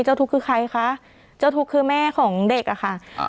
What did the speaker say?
ทุกข์คือใครคะเจ้าทุกข์คือแม่ของเด็กอ่ะค่ะอ่า